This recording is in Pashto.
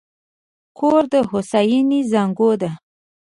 کور د هوساینې زانګو ده.